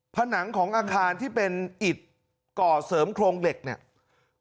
ผนังของอาคารที่เป็นอิดก่อเสริมโครงเหล็กเนี่ย